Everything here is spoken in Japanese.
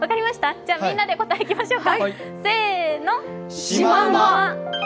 じゃ、みんなで答えいきましょうか。